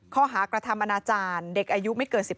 ข้อหากระถามอจเด็กอายุไม่เกิด๑๕ปี